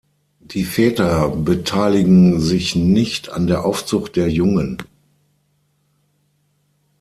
Die Väter beteiligen sich nicht an der Aufzucht der Jungen.